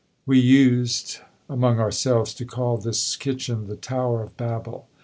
We used, among ourselves, to call this kitchen the tower of Babel.